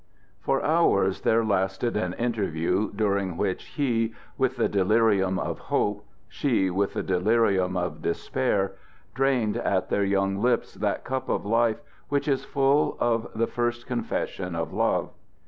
For hours there lasted an interview, during which he, with the delirium of hope, she with the delirium of despair, drained at their young lips that cup of life which is full of the first confession of love.